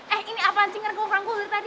eh ini apaan sih ngerangkul rangkul dari tadi